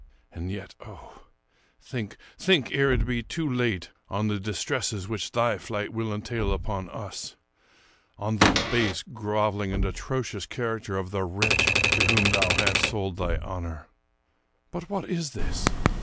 And yet, oh, think — think ere it be too late — on the distresses which thy flight will entail upon us ; on the base, groveling, and atrocious character of the wretch to whom thou hast sold thy honor. But what is this?